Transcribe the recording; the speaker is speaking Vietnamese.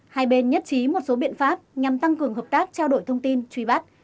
hai bên nhất trí một số biện pháp nhằm tăng cường hợp tác trao đổi thông tin truy bắt